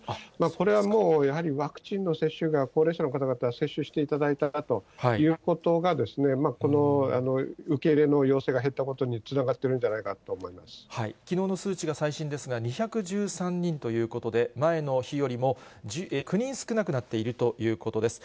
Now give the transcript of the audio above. これはもうやはりワクチンの接種が、高齢者の方々、接種していただいたなということが、この受け入れの要請が減ったことにつながっているんじゃないかときのうの数値が最新ですが、２１３人ということで、前の日よりも９人少なくなっているということです。